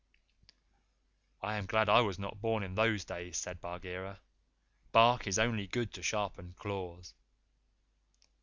"I am glad I was not born in those days," said Bagheera. "Bark is only good to sharpen claws."